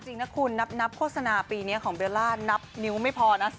เออจริงนะคุณนับโฆษณาปีนี้มันนับนิ้วไม่พอนะ